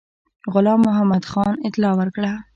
غلام محمدخان اطلاع ورکړه.